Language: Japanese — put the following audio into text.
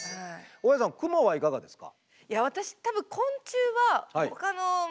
大家さんクモはいかがですか？